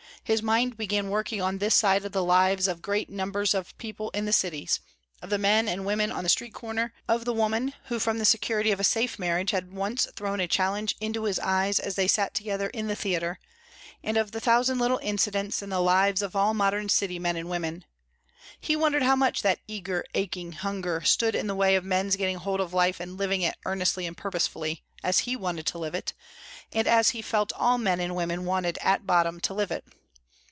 His mind began working on this side of the lives of great numbers of people in the cities of the men and women on the street corner, of the woman who from the security of a safe marriage had once thrown a challenge into his eyes as they sat together in the theatre, and of the thousand little incidents in the lives of all modern city men and women. He wondered how much that eager, aching hunger stood in the way of men's getting hold of life and living it earnestly and purposefully, as he wanted to live it, and as he felt all men and women wanted at bottom to live it.